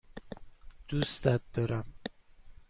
دوستت دارم.